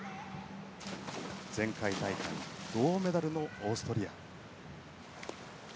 前回大会銅メダルのオーストリア。